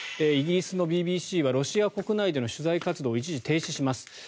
イギリスのＢＢＣはロシア国内での取材活動を一時停止します。